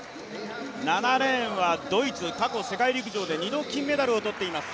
７レーンはドイツ過去、世界陸上で２度金メダルを取っています。